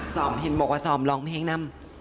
สอบทิศบอกว่าสอบร้องเพลงน้ำ